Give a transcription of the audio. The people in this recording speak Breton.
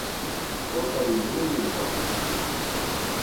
lakaat e youl da